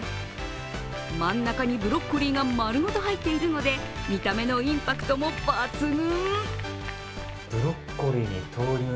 真ん中にブロッコリーがまるごと入っているので、見た目のインパクトも抜群。